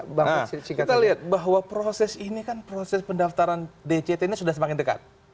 kita lihat bahwa proses ini kan proses pendaftaran dct ini sudah semakin dekat